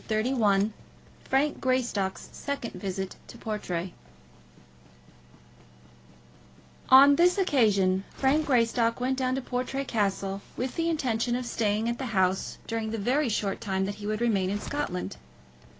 CHAPTER XXXI Frank Greystock's Second Visit to Portray On this occasion Frank Greystock went down to Portray Castle with the intention of staying at the house during the very short time that he would remain in Scotland.